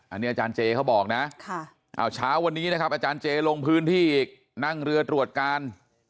อันนี้อาจารย์เจเขาบอกนะเอาเช้าวันนี้นะครับอาจารย์เจลงพื้นที่อีกนั่งเรือตรวจการ